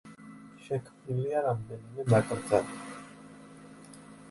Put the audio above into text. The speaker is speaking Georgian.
შექმნილია რამდენიმე ნაკრძალი.